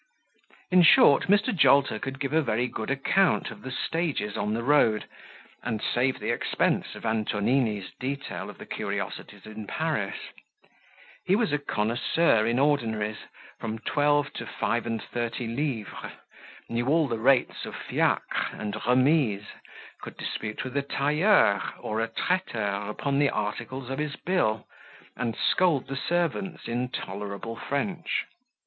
In short, Mr. Jolter could give a very good account of the stages on the road, and save the expense of Antonini's detail of the curiosities in Paris: he was a connoisseur in ordinaries, from twelve to five and thirty livres, knew all the rates of fiacre and remise, could dispute with a tailleur or a traiteur upon the articles of his bill, and scold the servants in tolerable French.